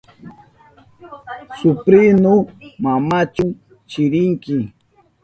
Suprinu, ¿manachu chirinki?